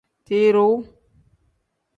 Tiruu.